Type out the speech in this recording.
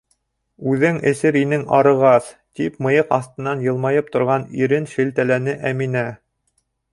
Үҙең эсер инең, арығас, — тип мыйыҡ аҫтынан йылмайып торған ирен шелтәләне Әминә.